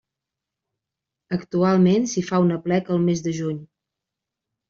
Actualment s'hi fa un aplec al mes de juny.